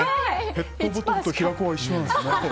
ペットボトルと平子は一緒なんですね。